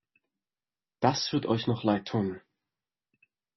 Das wird euch noch leid tun!